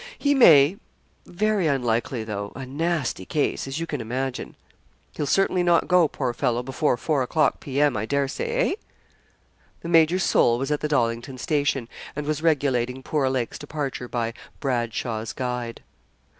'He may very unlikely though. A nasty case, as you can imagine.' 'He'll certainly not go, poor fellow, before four o'clock P.M. I dare say eh?' The major's soul was at the Dollington station, and was regulating poor Lake's departure by 'Bradshaw's Guide.'